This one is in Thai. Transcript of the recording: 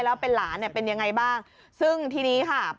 แล้วเป็นหลานเป็นอย่างไรบ้างซึ่งทีนี้ค่ะ